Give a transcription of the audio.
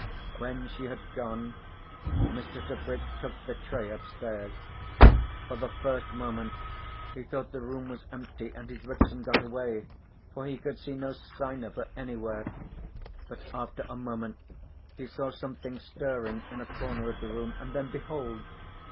When she had gone Mr. Tebrick took the tray upstairs. For the first moment he thought the room was empty, and his vixen got away, for he could see no sign of her anywhere. But after a moment he saw something stirring in a corner of the room, and then behold!